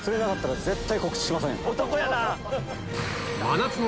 ・男やな